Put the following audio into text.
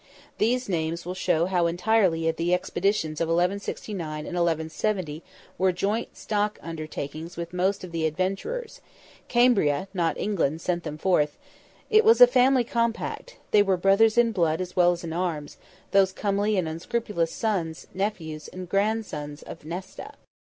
These names will show how entirely the expeditions of 1169 and 1170 were joint stock undertakings with most of the adventurers; Cambria, not England, sent them forth; it was a family compact; they were brothers in blood as well as in arms, those comely and unscrupulous sons, nephews, and grand sons of Nesta!